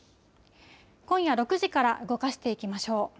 今夜６時から動かしていきましょう。